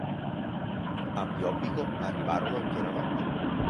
A Piobbico arrivarono in piena notte.